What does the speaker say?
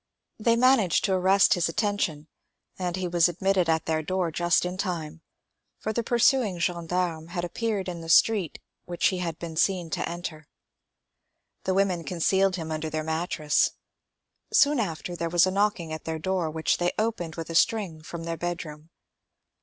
They managed to arrest his attention, and he was admitted at their door just in time, for the pursuing gendarmes had appeared in the street which he had been seen to enter. The women concealed him under their mattress. Soon after there was a knocking at their door, which they opened with a string from their bed room.